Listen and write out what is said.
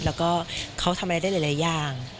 แล้วก็เขาทำอะไรได้หลายอย่าง